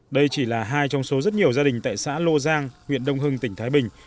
đây chỉ là hai trong số rất nhiều gia đình tại xã lô giang huyện đông hưng tỉnh thái bình